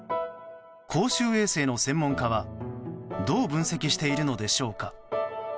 公衆衛生の専門家はどう分析しているのでしょうか。